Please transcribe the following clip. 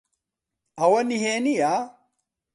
ئەوە نهێنییە؟